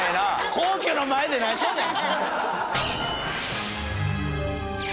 皇居の前で何しよんねん？